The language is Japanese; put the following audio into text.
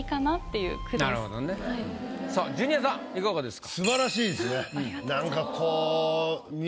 さあジュニアさんいかがですか？